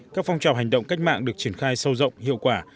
các phong trào hành động cách mạng được triển khai sâu rộng hiệu quả